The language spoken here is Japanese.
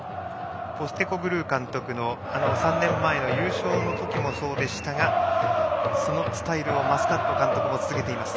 ポステコグルー監督の３年前の優勝のときもそうでしたがそのスタイルをマスカット監督も続けています。